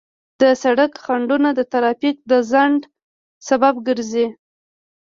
د سړک خنډونه د ترافیک د ځنډ سبب ګرځي.